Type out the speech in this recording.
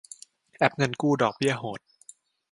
แอปเงินกู้ ดอกเบี้ยโหด